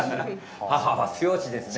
母は強しですね。